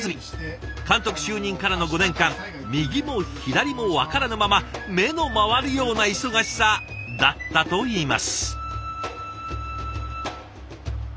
監督就任からの５年間右も左も分からぬまま目の回るような忙しさだったといいます。